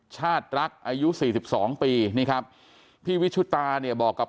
ชาติลักษณ์อายุ๔๒ปีนี่ครับพี่วิชุตราเนี่ยบอกกับ